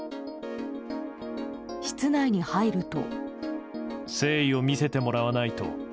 室内に入ると。